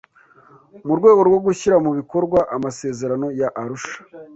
mu rwego rwo gushyira mu bikorwa amasezerano ya Arusha